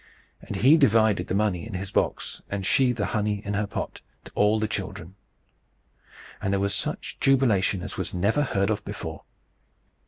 And he divided the money in his box, and she the honey in her pot, to all the children. And there was such jubilation as was never heard of before.